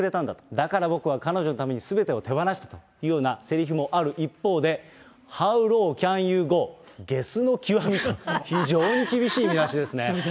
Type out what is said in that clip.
だから、僕は彼女のためにすべてを手放したというようなせりふもある一方で、ハウ・ロー・キャン・ユー・ゴー？ゲスの極みと、非常に厳しい見出しですね。